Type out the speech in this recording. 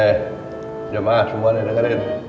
eh jemaah semua nih dengerin